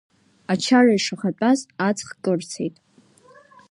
Ачара ишахатәаз, аҵх кырцеит.